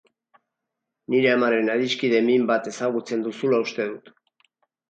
Nire amaren adiskide min bat ezagutzen duzula uste dut.